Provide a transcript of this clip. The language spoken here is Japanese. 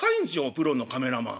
プロのカメラマン。